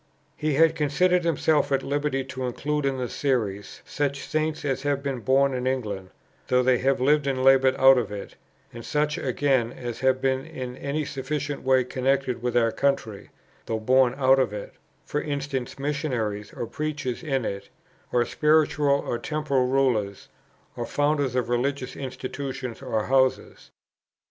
He has considered himself at liberty to include in the Series such saints as have been born in England, though they have lived and laboured out of it; and such, again, as have been in any sufficient way connected with our country, though born out of it; for instance, Missionaries or Preachers in it, or spiritual or temporal rulers, or founders of religious institutions or houses.